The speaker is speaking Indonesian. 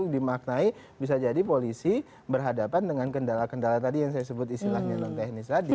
dimaknai bisa jadi polisi berhadapan dengan kendala kendala tadi yang saya sebut istilahnya non teknis tadi